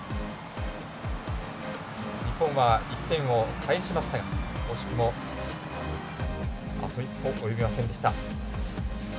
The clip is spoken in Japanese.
日本は１点を返しましたが惜しくもあと一歩およびませんでした。